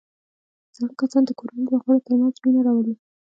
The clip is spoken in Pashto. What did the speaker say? زاړه کسان د کورنۍ د غړو ترمنځ مینه راولي